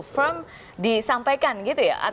firm disampaikan gitu ya